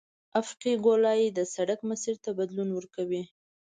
افقي ګولایي د سرک مسیر ته بدلون ورکوي